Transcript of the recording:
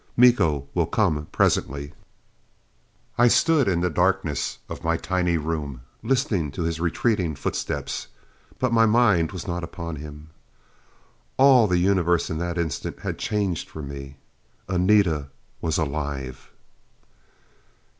"Miko will come presently." I stood in the darkness of my tiny room, listening to his retreating footsteps. But my mind was not upon him. All the universe, in that instant, had changed for me. Anita was alive!